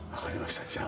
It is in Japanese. わかりました。